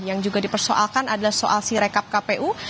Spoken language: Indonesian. yang juga dipersoalkan adalah soal si rekap kpu